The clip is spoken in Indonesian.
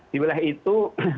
di wilayah itu